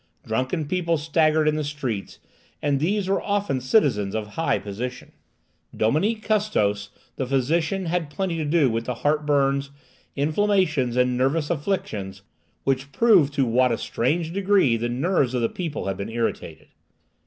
Drunken people staggered in the streets, and these were often citizens of high position. Dominique Custos, the physician, had plenty to do with the heartburns, inflammations, and nervous affections, which proved to what a strange degree the nerves of the people had been irritated.